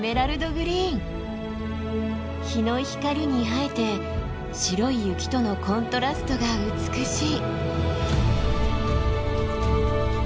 日の光に映えて白い雪とのコントラストが美しい。